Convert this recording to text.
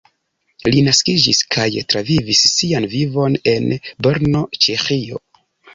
Li naskiĝis kaj travivis sian vivon en Brno, Ĉeĥio.